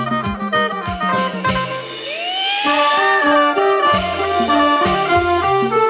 ดีกว่าเธอไม่รู้ว่าเธอไม่รู้